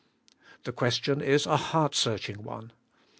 The question is a heart searching one.